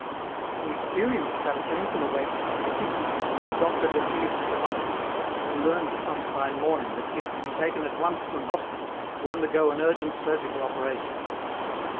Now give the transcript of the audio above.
He experienced that painful awakening of a sick man whom a doctor deceives for months, who learns some fine morning that he is to be taken at once to an hospital to undergo an urgent surgical operation.